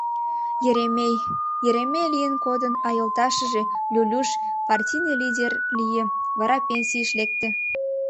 Еремей — Еремей лийын кодын, а йолташыже, Люлюш, партийный лидер лие, вара пенсийыш лекте.